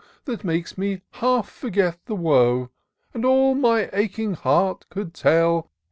That makes me half forget the woe. And all my aching heart could tell.